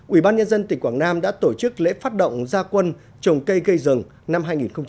ubnd tỉnh quảng nam đã tổ chức lễ phát động gia quân trồng cây gây rừng năm hai nghìn một mươi bảy